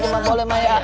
cuma boleh mea